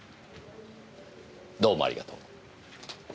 どうもありがとう。